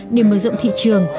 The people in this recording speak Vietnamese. để mở rộng thị trường